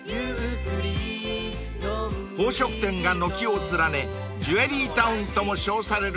［宝飾店が軒を連ねジュエリータウンとも称される